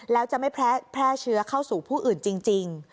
แล้วจะไม่แพร่เชื้อเข้าสู่ผู้อื่นจริง